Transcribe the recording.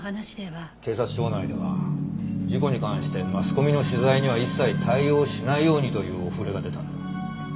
警察庁内では事故に関してマスコミの取材には一切対応しないようにというお触れが出たんだ。